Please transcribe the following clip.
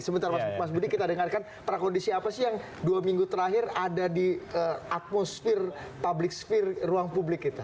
sebentar mas budi kita dengarkan prakondisi apa sih yang dua minggu terakhir ada di atmosfer public spear ruang publik kita